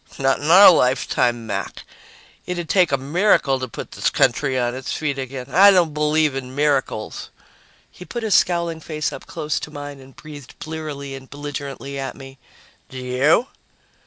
"Not in our lifetime, Mac. It'd take a miracle to put this country on its feet again. I don't believe in miracles." He put his scowling face up close to mine and breathed blearily and belligerently at me. "Do you?"